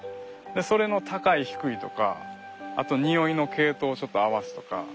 それの高い低いとかあとにおいの系統をちょっと合わすとか。